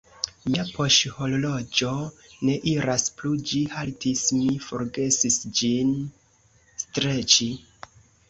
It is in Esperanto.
Mia poŝhorloĝo ne iras plu, ĝi haltis; mi forgesis ĝin streĉi.